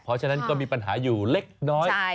เพราะฉะนั้นก็มีปัญหาอยู่เล็กน้อย